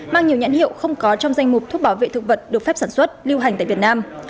mang nhiều nhãn hiệu không có trong danh mục thuốc bảo vệ thực vật được phép sản xuất lưu hành tại việt nam